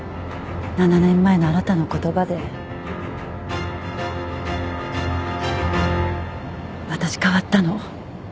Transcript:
７年前のあなたの言葉で私変わったの。